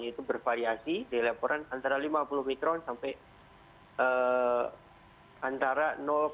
itu bervariasi di laporan antara lima puluh mikron sampai antara